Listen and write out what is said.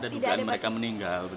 ada dugaan mereka meninggal